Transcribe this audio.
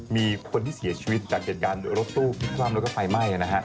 มีคนที่เสียชีวิตจากเหตุการณ์รถตู้พลิกคว่ำแล้วก็ไฟไหม้